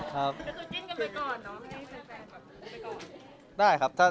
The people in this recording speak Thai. ทุกคนถึงอย่างไร